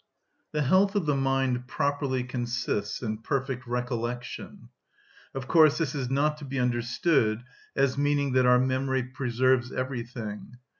The health of the mind properly consists in perfect recollection. Of course this is not to be understood as meaning that our memory preserves everything.